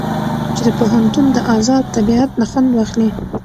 چې د پوهنتون د ازاد طبيعت نه خوند واخلي.